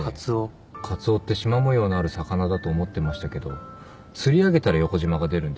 カツオってしま模様のある魚だと思ってましたけど釣り上げたら横じまが出るんですって。